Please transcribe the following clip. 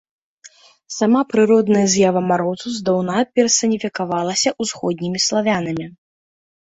Сама прыродная з'ява марозу здаўна персаніфікавалася ўсходнімі славянамі.